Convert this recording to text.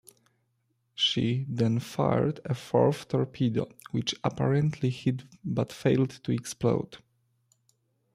She then fired a fourth torpedo, which apparently hit but failed to explode.